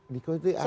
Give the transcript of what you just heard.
diko itu aneh